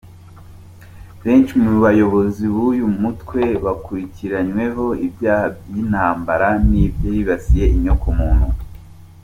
Benshi mu bayobozi b’uyu mutwe bakurikiranyweho ibyaha by’intambara n’ibyibasiye inyoko muntu.